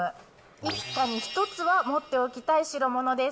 一家に１つは持っておきたい代物です。